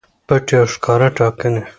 پټې او ښکاره ټاکنې